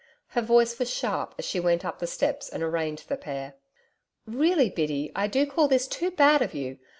Her voice was sharp as she went up the steps and arraigned the pair. 'Really, Biddy, I do call this too bad of you.